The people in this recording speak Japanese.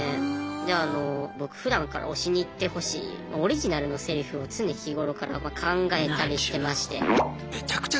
であの僕ふだんから推しに言ってほしいオリジナルのセリフを常日頃から考えたりしてまして。